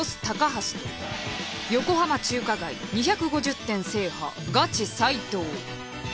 高橋と横浜中華街２５０店制覇ガチ齋藤。